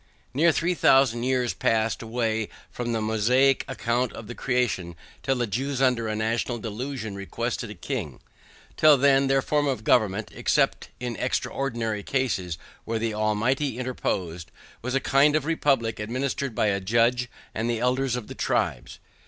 Near three thousand years passed away from the Mosaic account of the creation, till the Jews under a national delusion requested a king. Till then their form of government (except in extraordinary cases, where the Almighty interposed) was a kind of republic administered by a judge and the elders of the tribes.